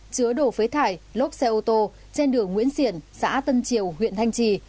chứa đổ phế thải lốp xe ô tô trên đường nguyễn xiển xã tân triều huyện thanh trì